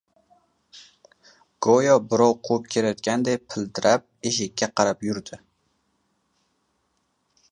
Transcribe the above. Go‘yo birov quvib kelayotganday pildirab, eshikka qarab yurdi.